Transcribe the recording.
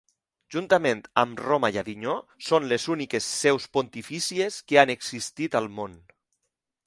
Juntament amb Roma i Avinyó són les úniques seus pontifícies que han existit al món.